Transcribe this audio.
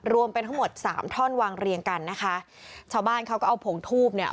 รวมเป็นทั้งหมดสามท่อนวางเรียงกันนะคะชาวบ้านเขาก็เอาผงทูบเนี่ย